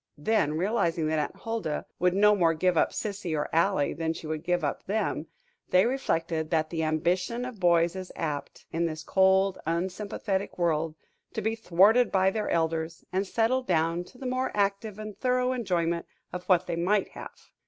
Then, realizing that Aunt Huldah would no more give up Sissy or Ally than she would give up them, they reflected that the ambition of boys is apt, in this cold, unsympathetic world, to be thwarted by their elders, and settled down to the more active and thorough enjoyment of what they might have.